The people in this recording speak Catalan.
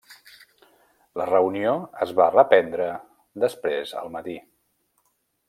La reunió es va reprendre després al matí.